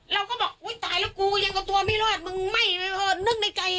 เราก็บอกโอ้ยตายแล้วกูยังกว่าตัวไม่ระวดมันไหม้เว่นหนึ่งในใจ